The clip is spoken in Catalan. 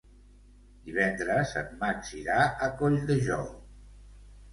Divendres en Max irà a Colldejou.